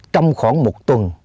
trong khoảng một tuần